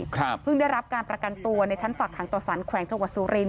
เพิ่งได้รับการประกันตัวในชั้นฝากขังต่อสารแขวงจังหวัดสุรินท